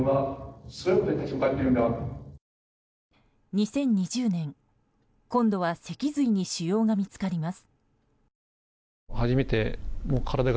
２０２０年、今度は脊髄に腫瘍が見つかります。